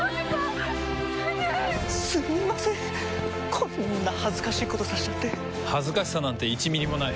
こんな恥ずかしいことさせちゃって恥ずかしさなんて１ミリもない。